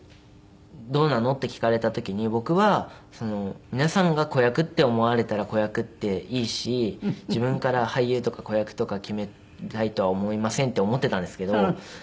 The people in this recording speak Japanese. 「どうなの？」って聞かれた時に僕は「皆さんが子役って思われたら子役でいいし自分から俳優とか子役とか決めたいとは思いません」って思っていたんですけど。